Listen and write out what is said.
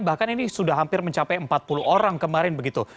bahkan ini sudah hampir mencapai empat puluh orang kemarin begitu